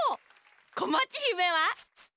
こまちひめは？